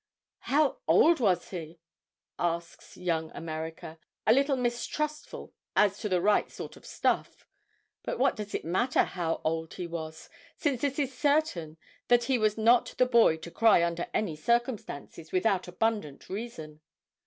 "How old was he?" asks Young America, a little mistrustful as to the right sort of stuff; but what does it matter how old he was, since this is certain, that he was not the boy to cry under any circumstances without abundant reason.